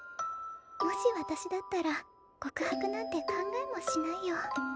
もし私だったら告白なんて考えもしないよ。